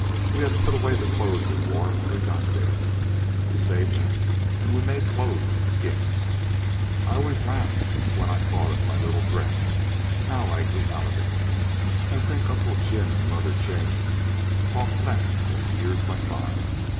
We had put away the clothes we wore when we got there, to save them, and we made clothes of skins. I always laughed when I thought of my little dress how I grew out of it. I think Uncle Jim and Mother Jane talked less as the years went by.